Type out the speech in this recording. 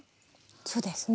そうですね。